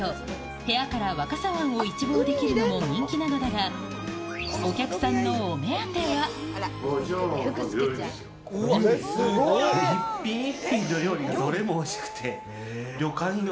部屋から若狭湾を一望できるのも人気なのだが、お客さんのお目当もちろん、料理ですよ。